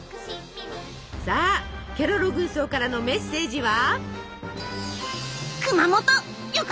さあケロロ軍曹からのメッセージは。